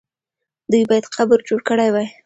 دوی باید قبر جوړ کړی وای.